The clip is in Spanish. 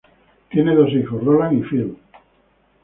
Tienen dos hijos, Roland y Philip.